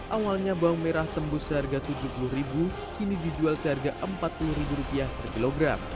awalnya bawang merah tembus seharga rp tujuh puluh kini dijual seharga rp empat puluh per kilogram